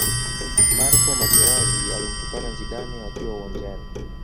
marco materazi alimtukana zidane wakiwa uwanjani